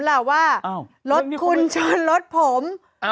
แล้วว่ารถที่สนลดผม